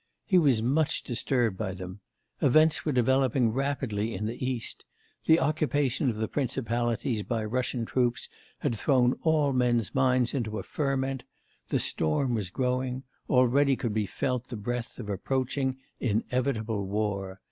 He was much disturbed by them. Events were developing rapidly in the East; the occupation of the Principalities by Russian troops had thrown all men's minds into a ferment; the storm was growing already could be felt the breath of approaching inevitable war.